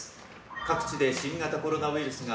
各地で新型コロナウイルスが。